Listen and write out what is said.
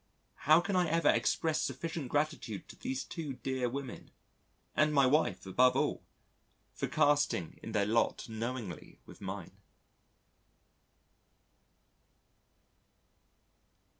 How can I ever express sufficient gratitude to these two dear women (and my wife, above all) for casting in their lot knowingly with mine?